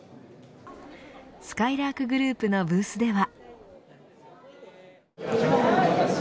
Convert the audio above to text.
すかいらーくグループのブースでは。